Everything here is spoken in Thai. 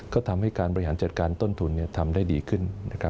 ก็ทำให้การบริหารจัดการต้นทุนทำได้ดีขึ้น